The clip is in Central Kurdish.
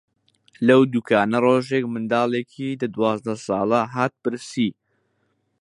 لەو دووکانە ڕۆژێک منداڵێکی دە-دوازدە ساڵە هات پرسی: